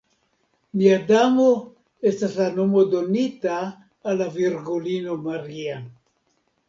Nia Damo estas la nomo donita al la Virgulino Maria.